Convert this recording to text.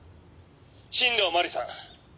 新道真理さん」